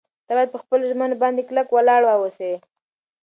ته باید په خپلو ژمنو باندې کلک ولاړ واوسې.